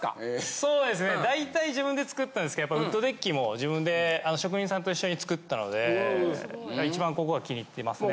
そうですね大体自分で作ったんですけどやっぱウッドデッキも自分で職人さんと一緒に作ったので一番ここは気に入ってますね。